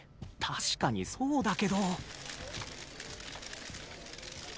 確かにそうだけど。